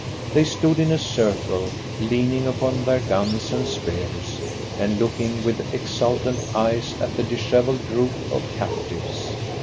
They stood in a circle, leaning upon their guns and spears, and looking with exultant eyes at the dishevelled group of captives.